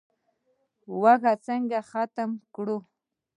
لوږه څنګه ختمه کړو؟